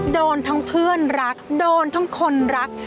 โดนทั้งเพื่อนรักโดนทั้งคนรัก